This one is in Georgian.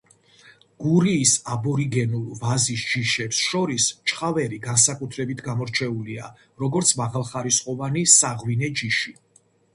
გურიის აბორიგენულ ვაზის ჯიშებს შორის ჩხავერი განსაკუთრებით გამორჩეულია, როგორც მაღალხარისხოვანი საღვინე ჯიში.